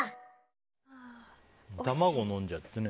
卵を飲んじゃってね。